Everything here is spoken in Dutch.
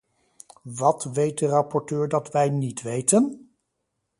Wat weet de rapporteur dat wij niet weten?